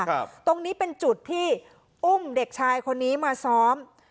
ตรงนี้เป็นจุดที่อุ้มเด็กชายคนนี้มาซ้อม